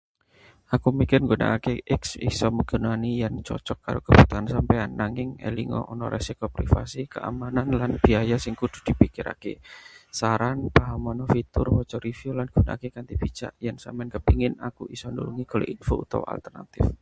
Aku mikir nggunakake X isa migunani yèn cocog karo kabutuhan sampean. Nanging elinga ana risiko privasi, keamanan, lan biaya sing kudu dipikirake. Saran: pahamna fitur, waca review, lan gunakake kanthi bijak. Yen sampean kepengin, aku isa nulungi golek info utawa alternatif.